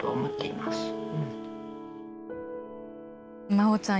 まおちゃん